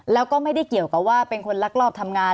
แล้วก็ไม่ได้เกี่ยวกับว่าเป็นคนลักลอบทำงาน